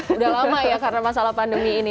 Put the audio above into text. udah lama ya karena masalah pandemi ini